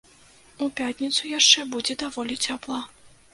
У пятніцу яшчэ будзе даволі цёпла.